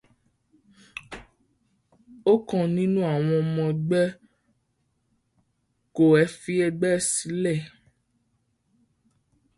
Ọ̀kan nínú àwọn ọmọ ẹgbẹ́ kọ̀wé fi ẹgbẹ́ sílẹ̀.